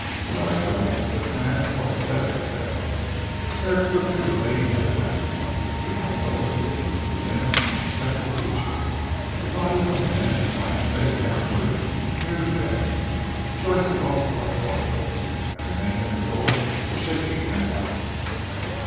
No anchorite could have had a more ascetic cell. Herrick took in the scene at a glance, took in also, its to him central feature, the body of a man lying face downwards, near the bed. Joyce saw the corpse also, and remained at the door, shaking and white.